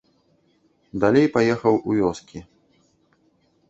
Далей паехаў у вёскі.